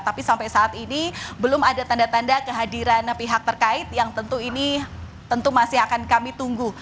tapi sampai saat ini belum ada tanda tanda kehadiran pihak terkait yang tentu ini tentu masih akan kami tunggu